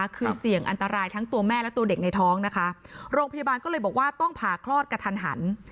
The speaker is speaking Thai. คือเสี่ยงอันตรายทั้งตัวแม่และตัวเด็กในท้องนะคะโรงพยาบาลก็เลยบอกว่าต้องผ่าคลอดกระทันหัน